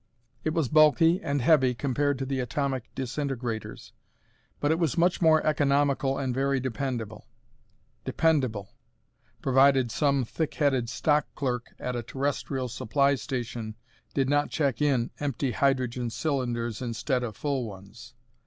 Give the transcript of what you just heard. It was bulky and heavy compared to the atomic disintegrators, but it was much more economical and very dependable. Dependable provided some thick headed stock clerk at a terrestrial supply station did not check in empty hydrogen cylinders instead of full ones.